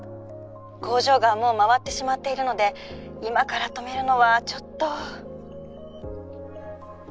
工場がもう回ってしまっているので今から止めるのはちょっと。